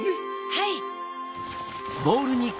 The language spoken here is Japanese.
はい。